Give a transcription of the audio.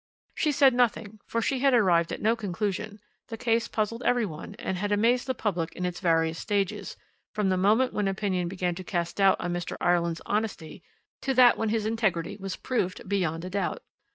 She said nothing, for she had arrived at no conclusion; the case puzzled every one, and had amazed the public in its various stages, from the moment when opinion began to cast doubt on Mr. Ireland's honesty to that when his integrity was proved beyond a doubt.